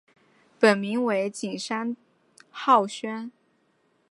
本名为景山浩宣。